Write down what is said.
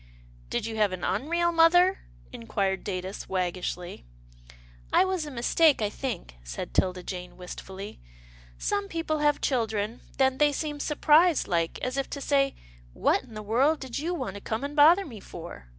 "Did you have an unreal mother?" inquired Datus, waggishly. " I was a mistake, I think," said 'Tilda Jane wistfully. " Some people have children, then they seem surprised like, as if to say, * What in the world did you want to come and bother me f or